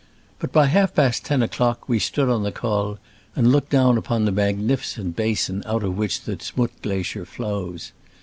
But by half past ten o'clock we stood on the col, and looked down upon the magnificent basin out of which the Z'Mutt glacier flows.